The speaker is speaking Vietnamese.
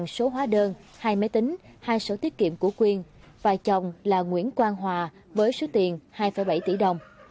năm số hóa đơn hai máy tính hai số tiết kiệm của quyền và chồng là nguyễn quang hòa với số tiền hai bảy tỷ đồng